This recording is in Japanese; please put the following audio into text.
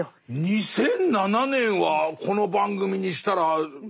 ２００７年はこの番組にしたら新しいです。